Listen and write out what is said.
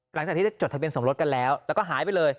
หลังจากที่จดทะเบียนสมรสกันแล้วแล้วก็หายไปเลย